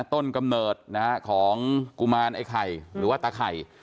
กำเนิดนะฮะของกุมารไอ้ไข่หรือว่าตาไข่